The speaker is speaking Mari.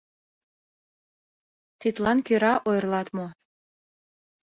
— Тидлан кӧра ойырлат мо?